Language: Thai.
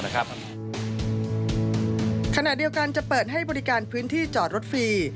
ขณะเดียวกันจะเปิดให้บริการพื้นที่จอดรถฟรี